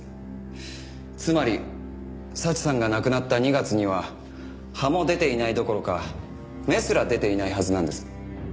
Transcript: つまり早智さんが亡くなった２月には葉も出ていないどころか芽すら出ていないはずなんです。